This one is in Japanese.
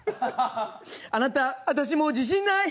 あなた私もう自信ない。